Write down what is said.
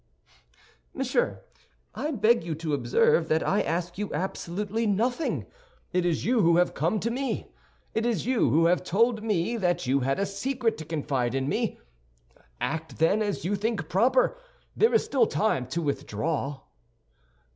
"Monsieur, I beg you to observe that I ask you absolutely nothing. It is you who have come to me. It is you who have told me that you had a secret to confide in me. Act, then, as you think proper; there is still time to withdraw."